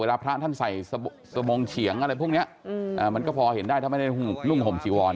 พระท่านใส่สมงเฉียงอะไรพวกนี้มันก็พอเห็นได้ถ้าไม่ได้นุ่งห่มจีวร